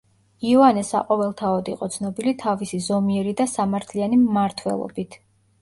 იოანე საყოველთაოდ იყო ცნობილი თავისი ზომიერი და სამართლიანი მმართველობით.